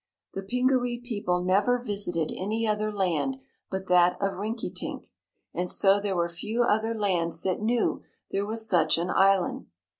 The Pingaree people never visited any other land but that of Rinkitink, and so there were few other lands that knew there was such an island.